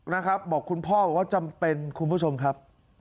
นะครับบอกคุณพ่อบอกว่าจำเป็นคุณผู้ชมครับ